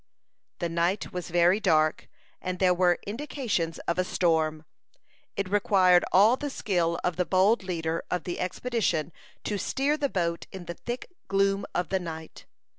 The night was very dark, and there were indications of a storm. It required all the skill of the bold leader of the expedition to steer the boat in the thick gloom of the night.